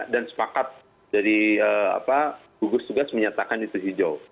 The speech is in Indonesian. dan sepakat dari gugus tugas menyatakan itu hijau